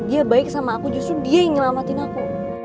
dia baik sama aku justru dia yang ngelamatin aku